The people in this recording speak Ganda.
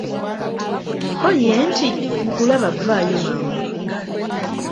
Ko ye nti, "Nkulaba, vaayo mangu"